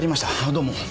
どうも。